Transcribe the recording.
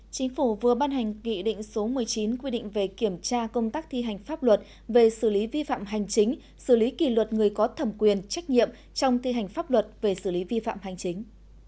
chính phủ vừa ban hành nghị định số một mươi chín quy định về kiểm tra công tác thi hành pháp luật về xử lý vi phạm hành chính xử lý kỷ luật người có thẩm quyền trách nhiệm trong thi hành pháp luật về xử lý vi phạm hành chính